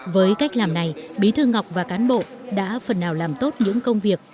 với cách làm này bí thư ngọc và cán bộ đã phần nào làm tốt những công việc